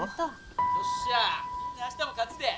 よっしゃみんな明日も勝つで。